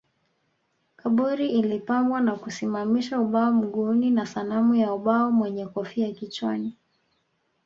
Kaburi ilipambwa kwa kusimamisha ubao mguuni na sanamu ya ubao mwenye kofia kichwani